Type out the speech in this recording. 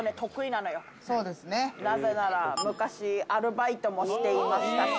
なぜなら、昔アルバイトもしていましたし。